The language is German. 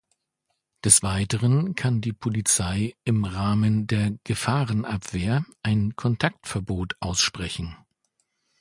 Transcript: Des Weiteren kann die Polizei im Rahmen der Gefahrenabwehr ein Kontaktverbot aussprechen.